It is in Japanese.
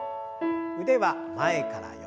腕は前から横。